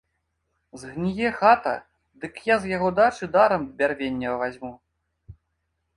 Згніе хата, дык я з яго дачы дарам бярвення вазьму.